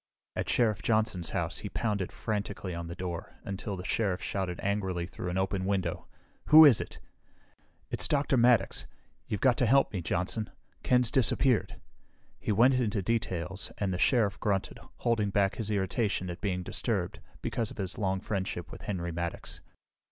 At Sheriff Johnson's house he pounded frantically on the door until the Sheriff shouted angrily through an open window, "Who is it?" "It's Dr. Maddox. You've got to help me, Johnson. Ken's disappeared." He went into details, and the Sheriff grunted, holding back his irritation at being disturbed, because of his long friendship with Henry Maddox.